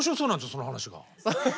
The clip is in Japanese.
その話が。